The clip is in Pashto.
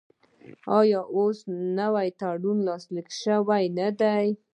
آیا اوس نوی تړون لاسلیک شوی نه دی؟